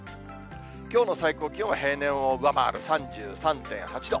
きょうの最高気温は平年を上回る３３．８度。